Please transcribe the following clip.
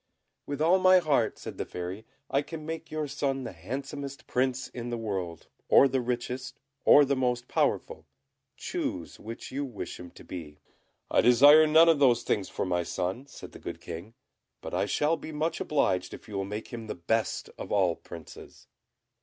"With all my heart," said the Fairy; "I can make your son the handsomest Prince in the world, or the richest, or the most powerful; choose which you wish him to be." "I desire none of those things for my son," said the good King; "but I shall be much obliged if you will make him the best of all Princes.